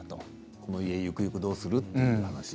この家、ゆくゆくどうする？と。